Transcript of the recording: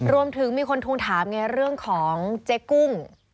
รวมถึงมีคนทวงถามไงเรื่องของเจ๊กุ้ง